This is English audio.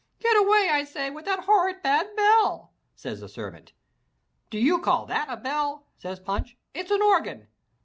"Get away I say wid dat horrid, bad bell," says the servant. "Do you call that a bell," says Punch, "it's an organ!"